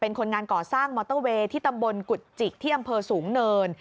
คนงานก่อสร้างมอเตอร์เวย์ที่ตำบลกุฎจิกที่อำเภอสูงเนิน